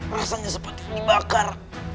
rasanya seperti dimakar